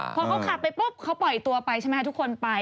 พอเขาขับไปปุ๊บเขาปล่อยตัวไปใช่ไหมทุกคนไป